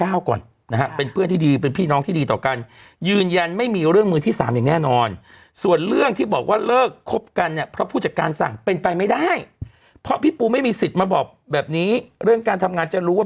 ะเป็นไปไม่ได้เพราะพี่ปูไม่มีสิทธิ์มาบอกแบบนี้เรื่องการทำงานจะรู้ว่า